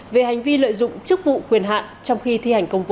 về hành vi lợi dụng chức vụ quyền hạn trong khi thi hành công vụ